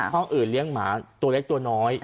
ห้องอื่นเลี้ยงหมาตัวเล็กตัวน้อย